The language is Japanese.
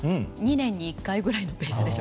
２年に１回くらいのペースで。